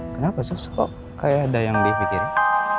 kenapa susah kok kayak ada yang dipikirin